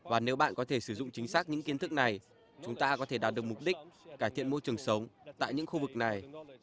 và nếu bạn có thể sử dụng chính xác những kiến thức này chúng ta có thể đạt được mục đích cải thiện môi trường sống tại những khu vực này